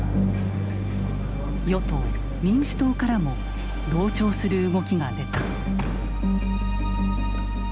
与党民主党からも同調する動きが出た。